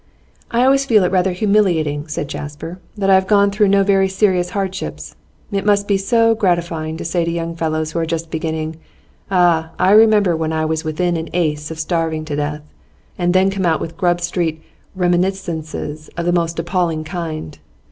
'I always feel it rather humiliating,' said Jasper, 'that I have gone through no very serious hardships. It must be so gratifying to say to young fellows who are just beginning: "Ah, I remember when I was within an ace of starving to death," and then come out with Grub Street reminiscences of the most appalling kind.